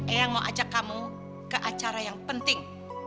eyang mau ajak kamu ke acara yang penting